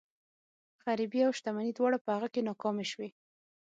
غريبي او شتمني دواړه په هغه کې ناکامې شوي.